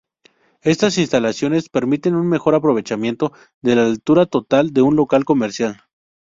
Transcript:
Estas instalaciones permiten un mejor aprovechamiento de la altura total de un local comercial.